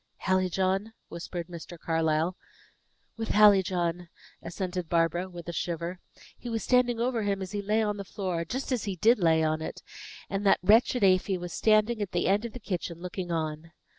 "Hallijohn?" whispered Mr. Carlyle. "With Hallijohn," assented Barbara, with a shiver. "He was standing over him as he lay on the floor; just as he did lay on it. And that wretched Afy was standing at the end of the kitchen, looking on."